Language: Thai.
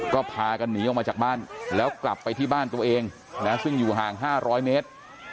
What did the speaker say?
ก็พากันหนีออกมาจากบ้านแล้วกลับไปที่บ้านตัวเองซึ่งอยู่ห่าง๕๐๐เมตร